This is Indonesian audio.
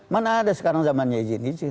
mana ada sekarang zamannya izin izin